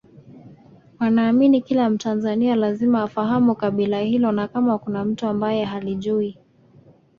wanaamini kila mtanzania lazima afahamu kabila hilo na kama kuna mtu ambaye halijui